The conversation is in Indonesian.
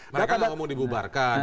mereka mau dibubarkan